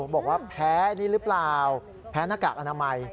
บอกว่าแพ้นี่หรือเปล่าแพ้หน้ากากอนามัย